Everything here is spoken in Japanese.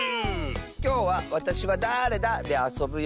きょうは「わたしはだれだ？」であそぶよ！